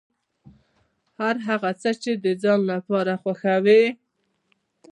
هر هغه څه چې د ځان لپاره خوښوې.